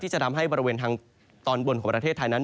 จะทำให้บริเวณทางตอนบนของประเทศไทยนั้น